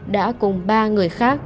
đã cùng ba người khác